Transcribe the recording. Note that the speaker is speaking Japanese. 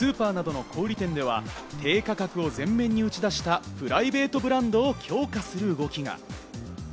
そんな中、スーパーなどの小売店では低価格を前面に打ち出したプライベートブランドを強化する動きが。